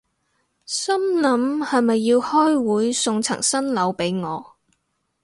心諗係咪要開會送層新樓畀我